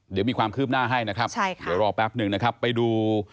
เดี๋ยวมีความคืบหน้าให้นะครับใช่ค่ะเดี๋ยวรอแป๊บหนึ่งนะครับไปดู